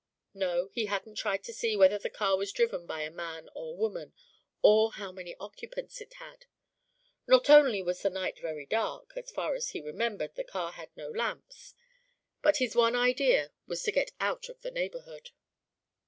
No, he hadn't tried to see whether the car was driven by a man or woman or how many occupants it had. Not only was the night very dark (as far as he remembered, the car had no lamps), but his one idea was to get out of the neighbourhood.